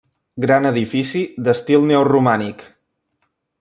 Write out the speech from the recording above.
Gran edifici d'estil neoromànic.